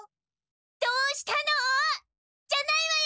「どうしたの？」じゃないわよ！